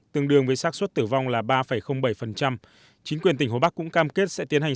tương đương với sát xuất tử vong là ba bảy chính quyền tỉnh hồ bắc cũng cam kết sẽ tiến hành